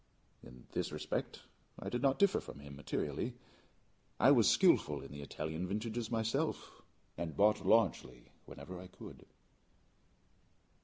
In this respect I did not differ from him materially: I was skillful in the Italian vintages myself, and bought largely whenever I could.